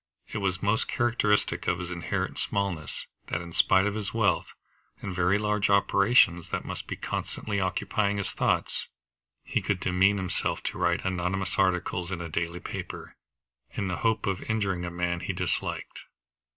It was most characteristic of his inherent smallness, that in spite of his wealth and the very large operations that must be constantly occupying his thoughts, he could demean himself to write anonymous articles in a daily paper, in the hope of injuring a man he disliked.